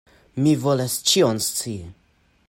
Mi volas ĉion scii!